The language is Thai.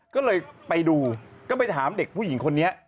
ก็เลยไปดูก็ไปถามเด็กผู้หญิงคนนี้